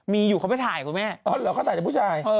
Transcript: มีอยู่เขาไปถ่ายคุณแม่